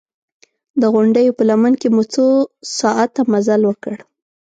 د غونډیو په لمن کې مو څو ساعته مزل وکړ.